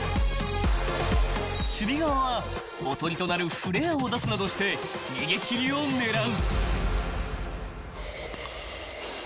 ［守備側はおとりとなるフレアを出すなどして逃げ切りを狙う］